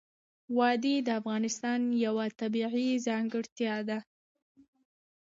وادي د افغانستان یوه طبیعي ځانګړتیا ده.